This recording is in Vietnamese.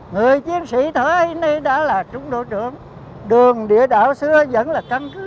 người chiến sĩ thời nay đã là trung đội trưởng đường địa đạo xưa vẫn là căn cứ